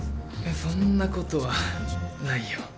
そんなことはないよ。